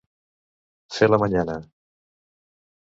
Fer la manyana.